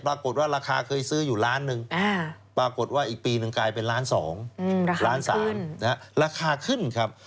ปรากฏว่าราคาเคยซื้ออยู่ล้านหนึ่งปรากฏว่าอีกปีหนึ่งกลายเป็นล้าน๒ล้าน๓ราคาขึ้นครับ